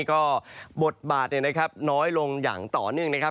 ก็บทบาทน้อยลงอย่างต่อเนื่องนะครับ